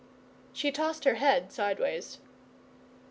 She tossed her head sideways.